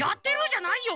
じゃないよ